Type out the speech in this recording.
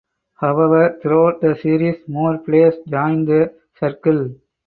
However throughout the series more players joined "The Circle".